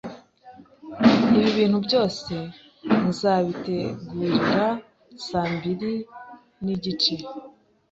Ibi bintu byose nzabitegurira saa mbiri nigice.